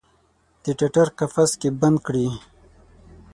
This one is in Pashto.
د ټټر قفس کې بند کړي